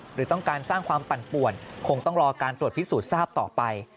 หรือต้องการสร้างความปั่นป่วนคงต้องรอการตรวจพิสูจน์ทราบต่อไป